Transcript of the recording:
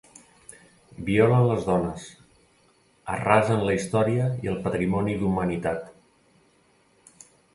Violen les dones, arrasen la història i el patrimoni d’humanitat.